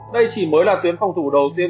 đây chỉ mới là tuyến phòng thủ đầu tiên